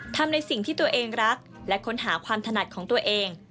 ทำในสิ่งที่ตัวเองรักและค้นหาความถนัดของตัวเอง